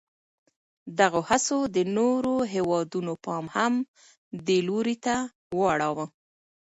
دغو هڅو د نورو هېوادونو پام هم دې لوري ته واړاوه.